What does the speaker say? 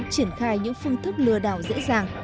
triển khai những phương thức lừa đảo dễ dàng